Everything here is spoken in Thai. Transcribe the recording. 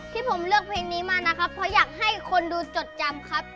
ที่ผมเลือกเพลงนี้มานะครับเพราะอยากให้คนดูจดจำครับ